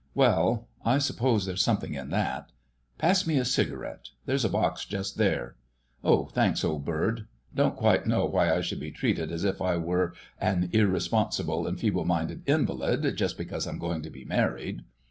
"Well, I suppose there's something in all that; pass me a cigarette—there's a box just there.... Oh, thanks, old bird; don't quite know why I should be treated as if I were an irresponsible and feeble minded invalid, just because I'm going to be married."